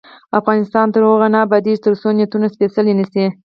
افغانستان تر هغو نه ابادیږي، ترڅو نیتونه سپیڅلي نشي.